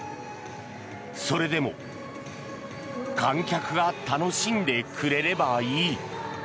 それでも観客が楽しんでくれればいい。